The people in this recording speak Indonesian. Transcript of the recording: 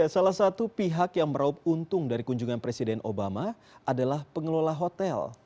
salah satu pihak yang meraup untung dari kunjungan presiden obama adalah pengelola hotel